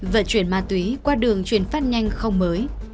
vận chuyển ma túy qua đường chuyển phát nhanh không mới